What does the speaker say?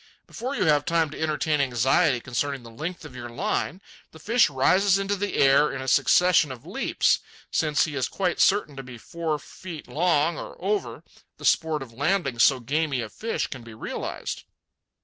Before you have time to entertain anxiety concerning the length of your line, the fish rises into the air in a succession of leaps. Since he is quite certain to be four feet long or over, the sport of landing so gamey a fish can be realized.